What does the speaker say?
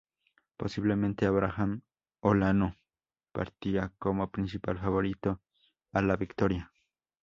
Posiblemente Abraham Olano partía como principal favorito a la victoria.